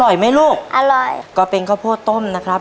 ไหมลูกอร่อยก็เป็นข้าวโพดต้มนะครับ